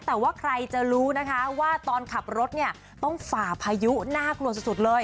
แต่ว่าใครจะรู้นะคะว่าตอนขับรถเนี่ยต้องฝ่าพายุน่ากลัวสุดเลย